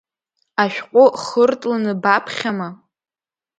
Ашәҟәы хыртланы баԥхьама?